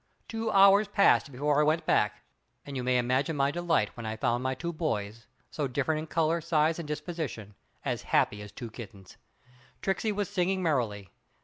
Two hours passed before I went back, and you may imagine my delight when I found my two boys (so different in color, size and disposition) as happy as two kittens. Tricksey was singing merrily.